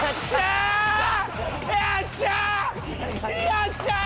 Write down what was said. よっしゃー！